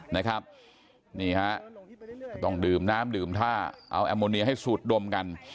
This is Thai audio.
นี่ฮะก็ต้องดื่มน้ำดื่มท่าเอาแอมโมเนียให้สูดดมกัน